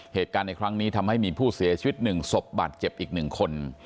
เหตุการณ์ในครั้งนี้ทำให้มีผู้เสียชีวิต๑ศพบาดเจ็บอีก๑คน